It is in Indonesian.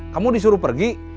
kamu disuruh pergi